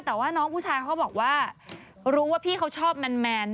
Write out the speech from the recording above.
แต่ว่าน้องผู้ชายเขาบอกว่ารู้ว่าพี่เขาชอบแมน